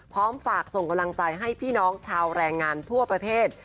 พร้อมฝากส่งกำลังใจให้พี่น้องชาวแรงงานทั่วประเทศ